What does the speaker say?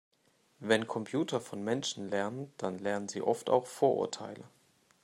Wenn Computer von Menschen lernen, dann lernen sie oft auch Vorurteile.